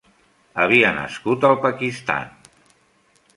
Havia nascut al Pakistan.